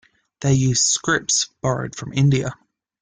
They used scripts borrowed from India.